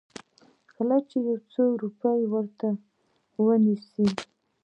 غله چې يو څو روپۍ ورته ونيسي.